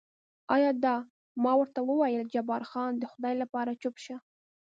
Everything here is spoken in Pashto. ایا دا؟ ما ورته وویل جبار خان، د خدای لپاره چوپ شه.